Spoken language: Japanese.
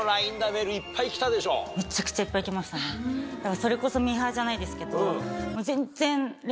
それこそミーハーじゃないですけど全然。